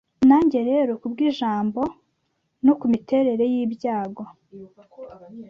Nanjye rero kubwijambo no kumiterere yibyago